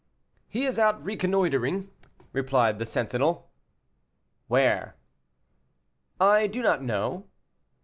"He is out reconnoitering," replied the sentinel. "Where?" "I do not know."